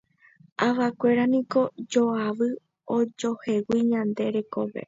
Avakuéra niko jajoavy ojoehegui ñande rekópe.